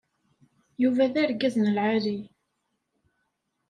Yuba d argaz n lεali.